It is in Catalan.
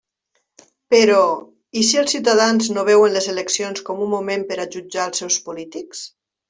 Però ¿i si els ciutadans no veuen les eleccions com un moment per a jutjar els seus polítics?